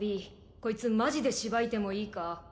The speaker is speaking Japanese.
こいつマジでしばいてもいいか？